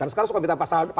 sekarang suka minta pasal